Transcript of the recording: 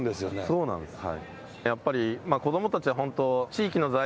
そうなんですよ。